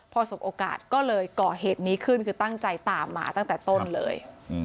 พอสมโอกาสก็เลยก่อเหตุนี้ขึ้นคือตั้งใจตามมาตั้งแต่ต้นเลย